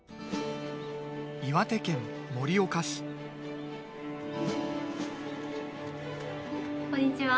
岩手県盛岡市こんにちは